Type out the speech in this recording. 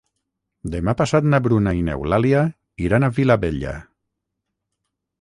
Demà passat na Bruna i n'Eulàlia iran a Vilabella.